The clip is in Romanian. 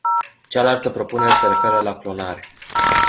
Cealaltă propunere se referă la clonare.